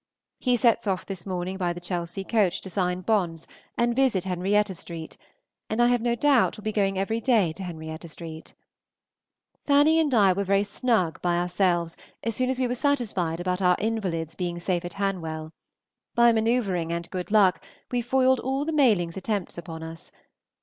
He sets off this morning by the Chelsea coach to sign bonds and visit Henrietta St., and I have no doubt will be going every day to Henrietta St. Fanny and I were very snug by ourselves as soon as we were satisfied about our invalid's being safe at Hanwell. By manoeuvring and good luck we foiled all the Malings' attempts upon us.